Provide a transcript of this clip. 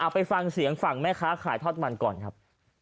ไปฟังเสียงฝั่งแม่ค้าขายทอดมันก่อนครับ